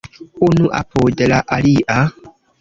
Unu apud la alia.